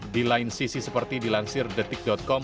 di lain sisi seperti dilansir detik com